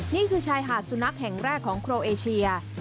นี่คือชายหาดสุนัขแห่งแรกของโครเอเชีย